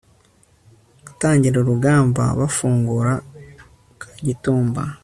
gutangira urugamba bafungura kagitumba